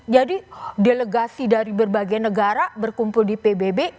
jadi delegasi dari berbagai negara berkumpul di pbb